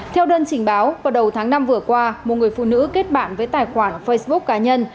theo đơn trình báo vào đầu tháng năm vừa qua một người phụ nữ kết bạn với tài khoản facebook cá nhân